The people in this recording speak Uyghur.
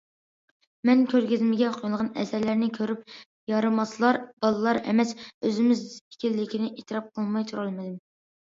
مەن كۆرگەزمىگە قويۇلغان ئەسەرلەرنى كۆرۈپ،‹‹ يارىماسلار›› بالىلار ئەمەس، ئۆزىمىز ئىكەنلىكىنى ئېتىراپ قىلماي تۇرالمىدىم.